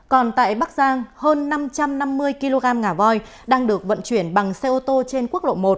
còn tại bắc giang hơn năm trăm năm mươi kg ngà voi đang được vận chuyển bằng xe ô tô trên quốc lộ một